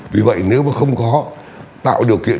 vì vậy nếu mà không có tạo điều kiện